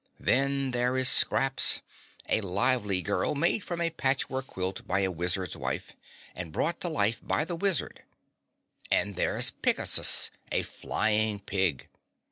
Then there is Scraps, a lively girl made from a patchwork quilt by a wizard's wife, and brought to life by the wizard; and there's Pigasus, a flying pig.